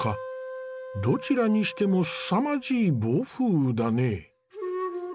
どちらにしてもすさまじい暴風雨だね。